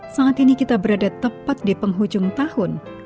saat ini kita berada tepat di penghujung tahun